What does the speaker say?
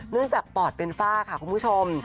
จากปอดเป็นฝ้าค่ะคุณผู้ชม